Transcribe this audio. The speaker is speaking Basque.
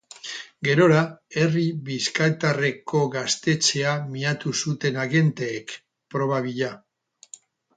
Gerora, herri bizkaitarreko gaztetxea miatu zuten agenteek, proba bila.